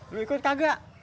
lu ikut kagak